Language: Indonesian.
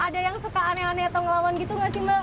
ada yang suka aneh aneh atau ngelawan gitu gak sih mbak